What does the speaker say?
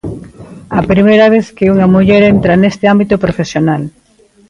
A primeira vez que unha muller entra neste ámbito profesional.